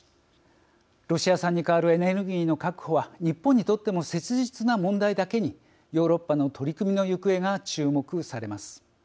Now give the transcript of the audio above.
ロシア産に代わるエネルギーの確保は日本にとっても切実な問題だけにヨーロッパの取り組みの行方が注目されます。